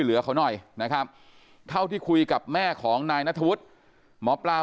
เหลือเขาหน่อยนะครับเท่าที่คุยกับแม่ของนายนัทวุฒิหมอปลา